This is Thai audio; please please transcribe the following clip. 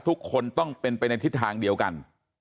ทุกคนต้องเป็นไปในทิศทางเดียวกัน